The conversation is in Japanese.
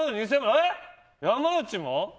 え、山内も？